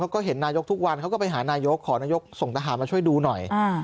ก็เห็นนายกทุกวันเขาก็ไปหานายกขอนายกส่งทหารมาช่วยดูหน่อย